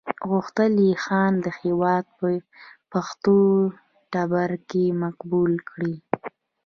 غوښتل یې ځان د هېواد په پښتون ټبر کې مقبول کړي.